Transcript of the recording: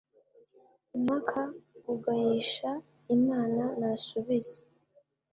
impaka ugayisha imana nasubize